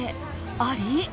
あり？